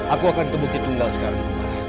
aku akan ke bukit tunggal sekarang bukit tunggal